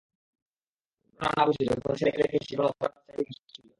ঘটনা না বুঝে, যখন ছেলেকে দেখে সে কোনো অপরাধ ছাড়াই হাসছিল।